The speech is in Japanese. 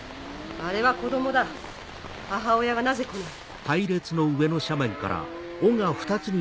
あれは子供だ母親がなぜ来ない。